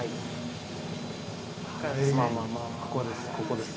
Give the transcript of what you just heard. ここです